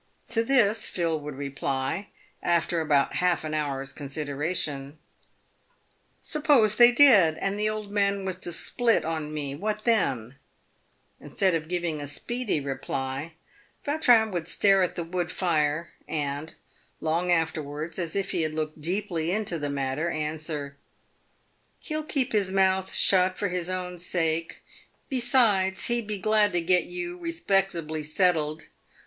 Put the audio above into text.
'' To this Phil would reply, after about half an hour's consideration, " Suppose they did, and the old man was to split on me, what then ?" Instead of giving a speedy reply, Vautrin would stare at the wood fire, and long afterwards, as if he had looked deeply into the matter, answer, " He'll keep his mouth shut for his own sake. Besides, he'd be glad to get you respectably settled.